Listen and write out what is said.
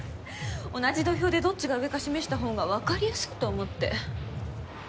同じ土俵でどっちが上か示した方が分かりやすいと思って。